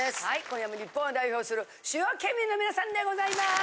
今夜も日本を代表する主要県民の皆さんでございます。